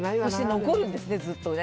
残るんですね、ずっとね。